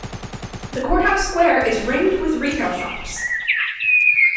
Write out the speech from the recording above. The Courthouse Square is ringed with retail shops.